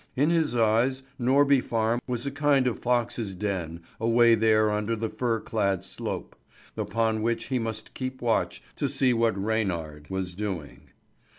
In his eyes Norby Farm was a kind of fox's den away there under the fir clad slope, upon which he must keep watch to see what Reynard was doing.